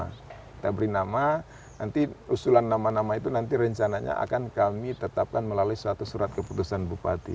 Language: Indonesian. kita beri nama nanti usulan nama nama itu nanti rencananya akan kami tetapkan melalui suatu surat keputusan bupati